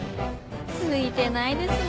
ついてないですね